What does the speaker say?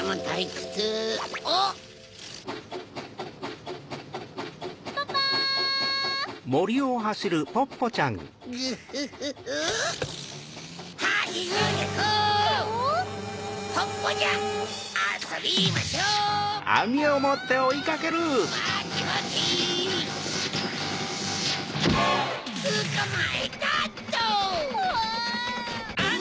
つかまえたっと！